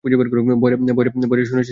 বয়রা শুনেছিস কী কথা হচ্ছে?